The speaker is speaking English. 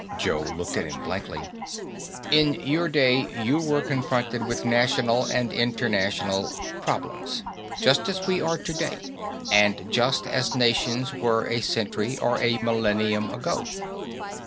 Joe looked at him blankly. "In your day you were confronted with national and international, problems. Just as we are today and just as nations were a century or a millennium ago."